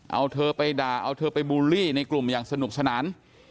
เอาเธอไปด่าเอาเธอไปบูลลี่ในกลุ่มอย่างสนุกสนาน